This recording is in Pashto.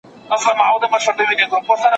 د ښځو ګډون د فقر کچه کموي.